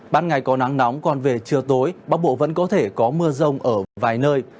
ban ngày có nắng nóng còn về chiều tối bắc bộ vẫn có thể có mưa rông ở vài nơi